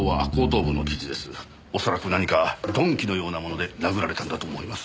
恐らく何か鈍器のようなもので殴られたんだと思います。